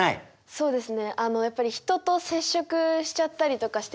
そうですね。